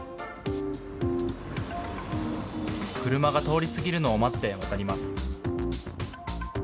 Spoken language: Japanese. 車が通り過ぎるのを待って渡ります。